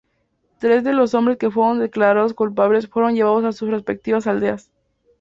Tres de los hombres que fueron declarados culpables fueron llevados a sus respectivas aldeas.